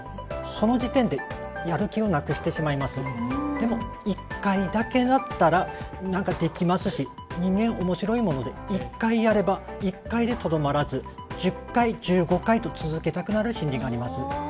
でも１回だけだったら何かできますし人間面白いもので１回やれば１回でとどまらず１０回１５回と続けたくなる心理があります。